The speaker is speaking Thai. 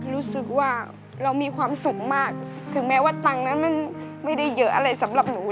รู้สึกว่าเรามีความสุขมากถึงแม้ว่าตังค์นั้นมันไม่ได้เยอะอะไรสำหรับหนู